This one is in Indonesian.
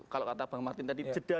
kalau kata bang martin tadi jeda